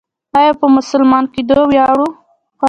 آیا په مسلمان کیدو ویاړو؟